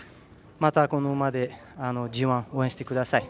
また、この馬でＧＩ応援してください。